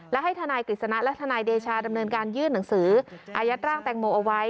และให้ทนายกฤษณะและทนายเดชาดำเนินการยื่นหนังสืออายัดร่างแตงโมเอาไว้